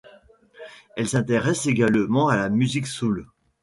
Elle s'intéresse également à la musique soul.